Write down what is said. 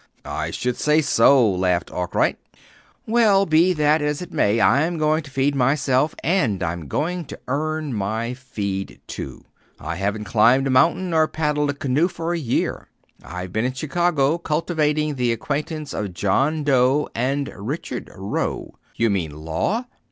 "I should say so," laughed Arkwright. "Well, be that as it may. I'm going to feed myself, and I'm going to earn my feed, too. I haven't climbed a mountain or paddled a canoe, for a year. I've been in Chicago cultivating the acquaintance of John Doe and Richard Roe." "You mean law?"